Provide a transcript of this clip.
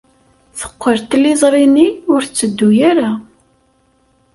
Teqqel tliẓri-nni ur tetteddu ara.